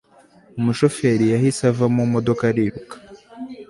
umushoferi yahise ava mumodoka ariruka